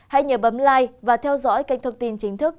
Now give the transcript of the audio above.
hãy nhớ bấm like và theo dõi kênh thông tin chính thức